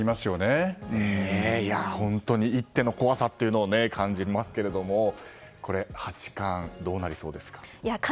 本当に一手の怖さを感じますけれども八冠、どうなりそうですか。